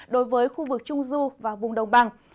đối với khu vực trung du và vùng đồng bằng